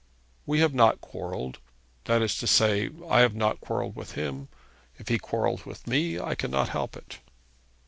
'We have not quarrelled. That is to say, I have not quarrelled with him. If he quarrels with me, I cannot help it.'